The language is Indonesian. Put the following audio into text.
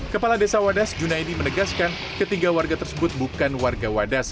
kepala desa wadas junaidi menegaskan ketiga warga tersebut bukan warga wadas